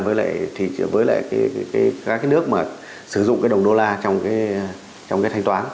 với lại các cái nước mà sử dụng cái đồng đô la trong cái thanh toán